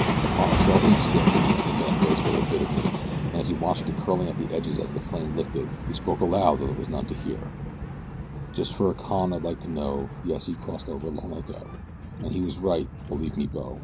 Upon a sharpened stick the man roasted a bit of meat, and as he watched it curling at the edges as the flame licked it he spoke aloud though there was none to hear: Just for a con I'd like to know (yes, he crossed over long ago; And he was right, believe me, bo!)